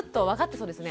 そうですね。